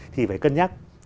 thì phải cân nhắc